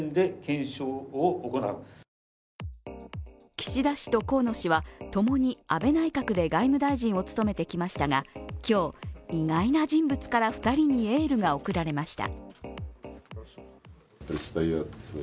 岸田氏と河野氏はともに安倍内閣で外務大臣を務めてきましたが、今日意外な人物から２人にエールが送られました。